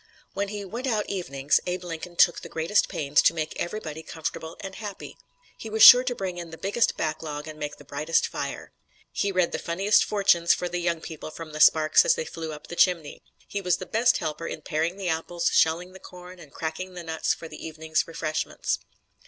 When he "went out evenings" Abe Lincoln took the greatest pains to make everybody comfortable and happy. He was sure to bring in the biggest backlog and make the brightest fire. He read "the funniest fortunes" for the young people from the sparks as they flew up the chimney. He was the best helper in paring the apples, shelling the corn and cracking the nuts for the evening's refreshments.